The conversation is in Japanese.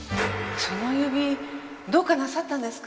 その指どうかなさったんですか？